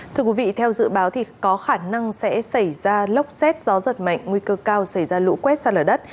thưa quý vị theo dự báo thì có khả năng sẽ xảy ra lốc xét gió giật mạnh nguy cơ cao xảy ra lũ quét xa lở đất